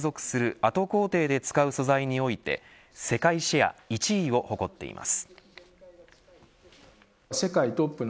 後工程で使う素材において世界シェア１位を誇っています。